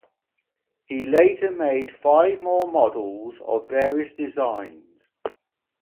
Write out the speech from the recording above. He later made five more models of various designs.